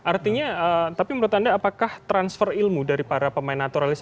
artinya tapi menurut anda apakah transfer ilmu dari para pemain naturalis